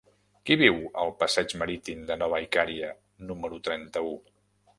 Qui viu al passeig Marítim de Nova Icària número trenta-u?